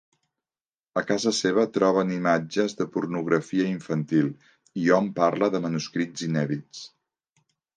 A casa seva troben imatges de pornografia infantil i hom parla de manuscrits inèdits.